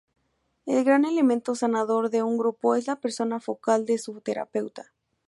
El gran elemento sanador de un grupo es la persona focal de su terapeuta.